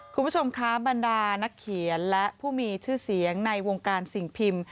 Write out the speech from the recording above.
คุณผู้ชมคะบรรดานักเขียนและผู้มีชื่อเสียงในวงการสิ่งพิมพ์